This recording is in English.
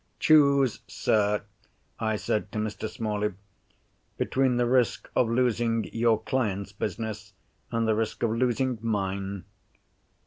"Choose, sir," I said to Mr. Smalley, "between the risk of losing your client's business and the risk of losing Mine."